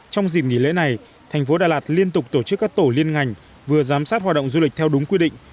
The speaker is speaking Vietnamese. trong dịp nghỉ lễ này thành phố đà lạt liên tục tổ chức các tổ liên ngành vừa giám sát hoạt động du lịch theo đúng quy định